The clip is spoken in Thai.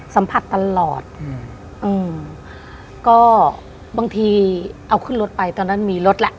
สัมผัสตลอดอืมอืมก็บางทีเอาขึ้นรถไปตอนนั้นมีรถแหละ